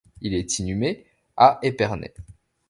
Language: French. Il est inhumé à Epernay.